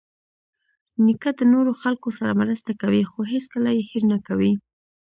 نیکه د نورو خلکو سره مرسته کوي، خو هیڅکله یې هېر نه کوي.